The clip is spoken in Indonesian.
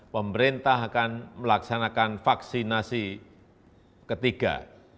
pemerintah akan melaksanakan vaksinasi ketiga